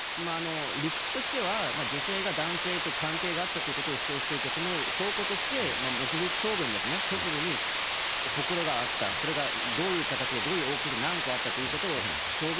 理屈としては女性が男性と関係があったということを主張していて、その証拠として目撃証言ですね、局部にほくろがあった、それがどういう形でどういう大きさで何個あったということを証言